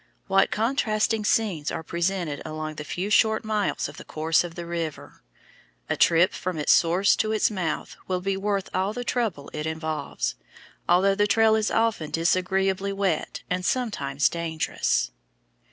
What contrasting scenes are presented along the few short miles of the course of the river! A trip from its source to its mouth will be worth all the trouble it involves, although the trail is often disagreeably wet and sometimes dangerous.